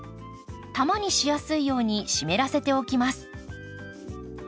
玉にしやすいように湿らせておきます。